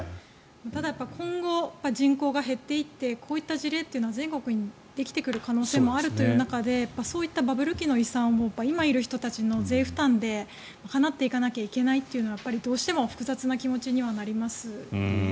ただ、今後人口が減っていってこういった事例は全国にできてくる可能性もある中でそういったバブル期の遺産を今いる人たちの税負担で賄っていかなきゃいけないのはどうしても複雑な気持ちにはなりますね。